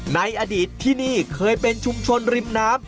ในอดีตที่นี่เคยเป็นชุมชนริมน้ำ